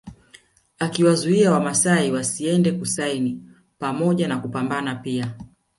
Akiwazuia Wamasai wasiende kusini pamoja na kupambana pia